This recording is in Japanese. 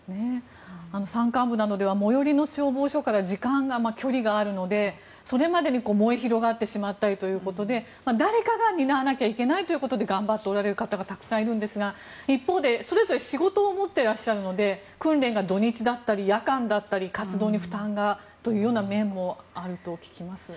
山間部などでは最寄りの消防署から距離があるのでそれまでに燃え広がってしまったりということで誰かが担わなきゃいけないということで頑張っておられる方がたくさんいるんですが一方で、それぞれ仕事を持っていらっしゃるので訓練が土日だったり夜間だったり活動に負担がというような面もあると聞きます。